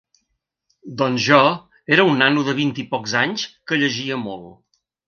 Doncs jo era un nano de vint-i-pocs anys que llegia molt.